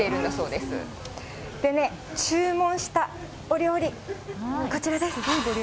でね、注文したお料理、こちらです。